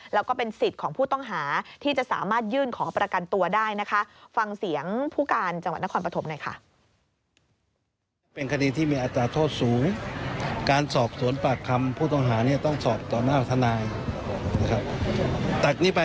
แล้วก็เป็นสิทธิ์ของผู้ต้องหาที่จะสามารถยื่นของประกันตัวได้